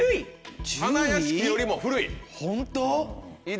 花やしきよりも古い？